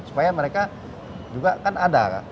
supaya mereka juga kan ada